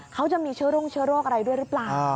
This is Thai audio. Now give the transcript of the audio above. เขาจะมีเชื้อรุ่งเชื้อโรคอะไรด้วยหรือเปล่า